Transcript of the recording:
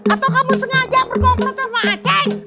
atau kamu sengaja berkomplot sama aceng